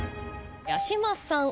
八嶋さん